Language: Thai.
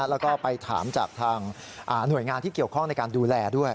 แล้วก็ไปถามจากทางหน่วยงานที่เกี่ยวข้องในการดูแลด้วย